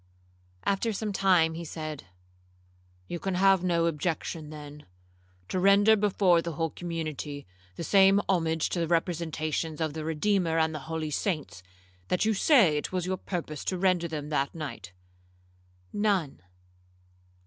After some time, he said, 'You can have no objection, then, to render before the whole community the same homage to the representations of the Redeemer and the holy saints, that you say it was your purpose to render them that night?'—'None.'